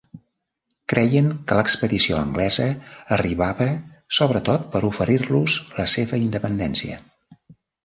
Creien que l'expedició anglesa arribava sobretot per oferir-los la seva independència.